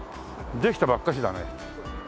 できたばっかしだね。